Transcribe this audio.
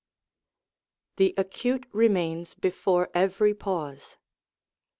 The acute remains before every pause.